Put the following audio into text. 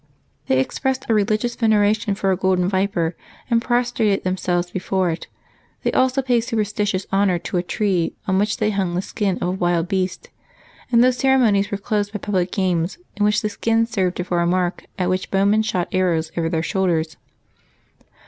They expressed a religious veneration for a golden viper, and prostrated themselves before it; they also paid superstitious honor to a tree, on which they hung the skin of a wild beast; and those cere monies were closed by public games, in which the skin served for a mark at which bowmen shot arrows over their shoulders.